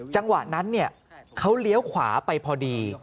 จังหวะนั้นเขาเลี้ยวขวาไปพอดี